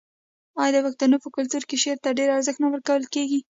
آیا د پښتنو په کلتور کې شعر ته ډیر ارزښت نه ورکول کیږي؟